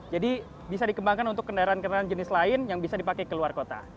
jadi bisa dikembangkan untuk kendaraan kendaraan jenis lain yang bisa dipakai ke luar kota